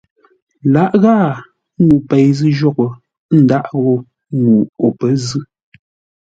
Lǎʼ ghâa ŋuu pei zʉ́ jwôghʼ, n dághʼ ghó ŋuu o pə̌ zʉ́.